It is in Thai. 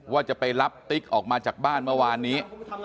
ว่าจะไปรับติ๊กออกมาจากบ้านเมื่อวานนี้